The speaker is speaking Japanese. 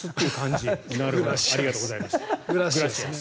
ありがとうございます。